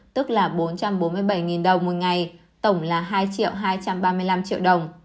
tức là bốn trăm bốn mươi bảy đồng một ngày tổng là hai hai trăm ba mươi năm triệu đồng